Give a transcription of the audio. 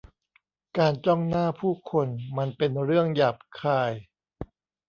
การจ้องหน้าผู้คนมันเป็นเรื่องหยาบคาย